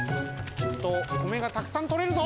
きっとこめがたくさんとれるぞ！